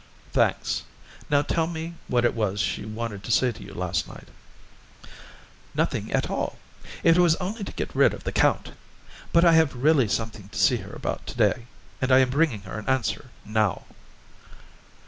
"Thanks. Now tell me what it was she wanted to say to you last night." "Nothing at all. It was only to get rid of the count; but I have really something to see her about to day, and I am bringing her an answer now."